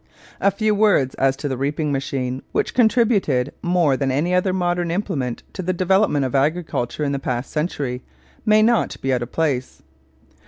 A few words as to the reaping machine, which contributed more than any other modern implement to the development of agriculture in the past century, may not be out of place.